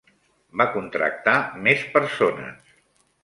Va contractar més persones.